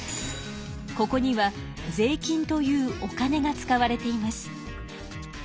ここには税金というお金が使われています。